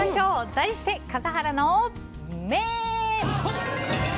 題して、笠原の眼！